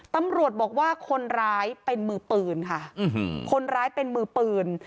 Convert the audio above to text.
ตำรวจบอกว่าคนร้ายเป็นมือปืนค่ะคนร้ายเป็นมือปืน